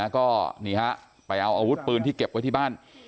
ก็นี่ฮะไปเอาอาวุธปืนที่เก็บไว้ที่บ้าน